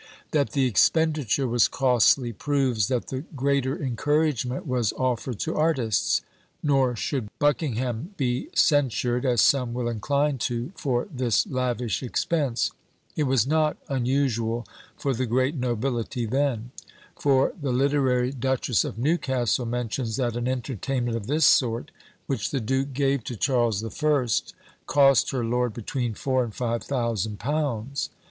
That the expenditure was costly, proves that the greater encouragement was offered to artists; nor should Buckingham be censured, as some will incline to, for this lavish expense; it was not unusual for the great nobility then; for the literary Duchess of Newcastle mentions that an entertainment of this sort, which the Duke gave to Charles the First, cost her lord between four and five thousand pounds.